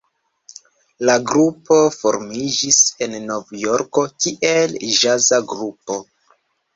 La grupo formiĝis en Novjorko kiel ĵaza grupo.